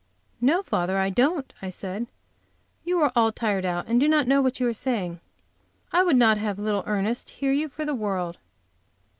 "Now, father, don't," I said. "You are all tired out, and do not know what you are saying. I would not have little Ernest hear you for the world."